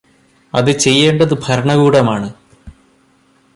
അത് ചെയ്യേണ്ടത് ഭരണകൂടമാണ്.